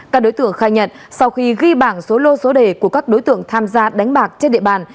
các đối tượng khai nhận sau khi ghi bảng số lô số đề của các đối tượng tham gia đánh bạc trên địa bàn